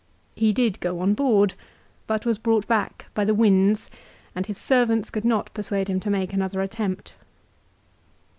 He did go on board ; but was brought back by the winds and his servants could not persuade him to make another attempt.